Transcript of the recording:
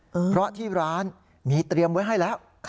เพราะที่ร้านมีเตรียมไว้ให้แล้ว